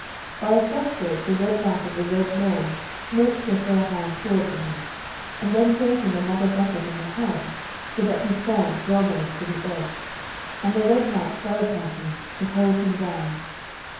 By a cross stroke the Red Knight of the Red Lawns smote Sir Fair hands' sword from him, and then gave him another buffet on the helm so that he fell grovelling to the earth, and the Red Knight fell upon him to hold him down.